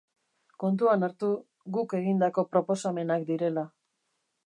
Kontuan hartu guk egindako proposamenak direla.